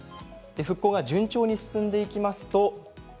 復興が順調に進んでいきますと